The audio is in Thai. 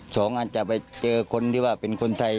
สองอาจจะไปเจอคนที่ว่าเป็นคนไทย